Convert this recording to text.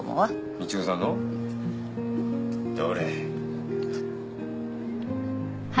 道夫さんの？どれ？